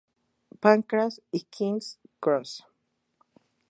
Pancras y King's Cross.